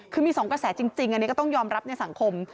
คือมี๒กระแสจริงอันนี้ก็ต้องยอมรับในสังคม